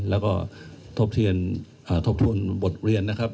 แล้วก็ทบทวนบทเรียนนะครับ